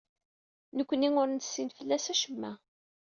Nekni ur nessin fell-as acemma.